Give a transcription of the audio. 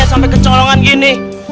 sampai kecolongan gini